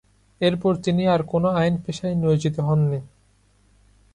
এরপর তিনি আর কোনো আইন পেশায় নিয়োজিত হন নি।